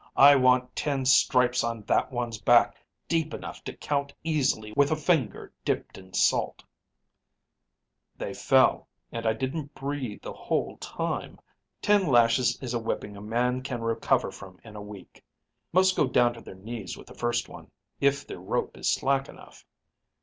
I want ten stripes on that one's back deep enough to count easily with a finger dipped in salt.' "They fell, and I didn't breathe the whole time. Ten lashes is a whipping a man can recover from in a week. Most go down to their knees with the first one, if their rope is slack enough.